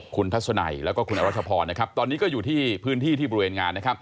คุณทัศนัยและคุณอรัชพรตอนนี้ก็อยู่ที่พื้นที่ที่บริเวณงาน